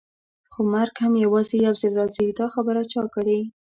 خو مرګ هم یوازې یو ځل راځي، دا خبره چا کړې؟